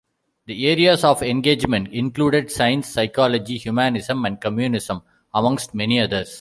The areas of engagement included science, psychology, humanism and Communism amongst many others.